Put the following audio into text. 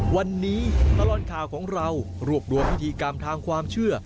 วันนี้ตลอดข่าวของเรารวบรวมพิธีกรรมทางความเชื่อ